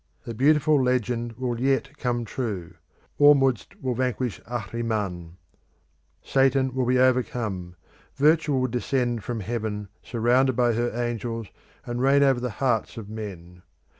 The beautiful legend will yet come true; Ormuzd will vanquish Ahriman; Satan will be overcome; Virtue will descend from heaven, surrounded by her angels, and reign over the hearts of men.